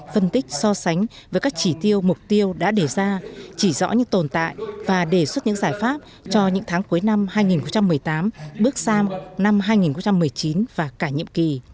phân tích so sánh với các chỉ tiêu mục tiêu đã đề ra chỉ rõ những tồn tại và đề xuất những giải pháp cho những tháng cuối năm hai nghìn một mươi tám